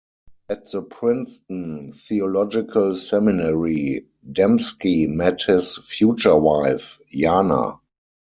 At the Princeton Theological Seminary, Dembski met his future wife, Jana.